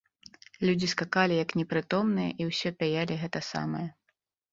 Людзі скакалі, як непрытомныя, і ўсё пяялі гэта самае.